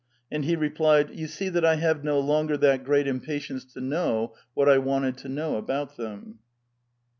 And he replied, "Yon see that I have no longer that great impatience to know what I wanted to know about them."